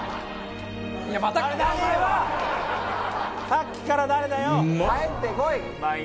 「さっきから誰だよ！」